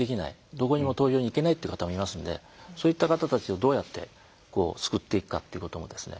どこにも投票に行けないって方もいますんでそういった方たちをどうやって救っていくかってこともですね